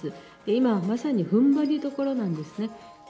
今はまさにふんばりどころなんですね。